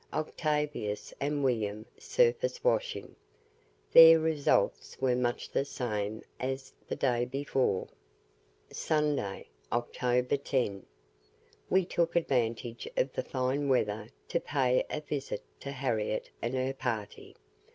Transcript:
Octavius and William surface washing. There results were much the same as the day before. SUNDAY, OCTOBER 10 We took advantage of the fine weather to pay a visit to Harriette and her party.